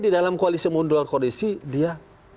di dalam koalisi maupun di luar koalisi dia